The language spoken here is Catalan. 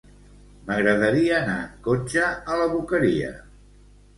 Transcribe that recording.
M'agradaria anar en cotxe a la Boqueria.